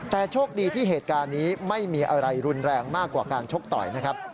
แต่โชคดีที่เหตุการณ์นี้ไม่มีอะไรรุนแรงมากกว่าการชกต่อยนะครับ